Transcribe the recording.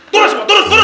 turun semua turun turun